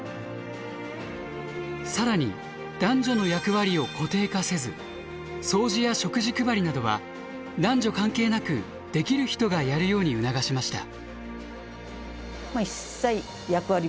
更に男女の役割を固定化せず掃除や食事配りなどは男女関係なくできる人がやるように促しました。